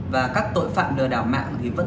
và các tội phạm đưa đảo mạng thì vẫn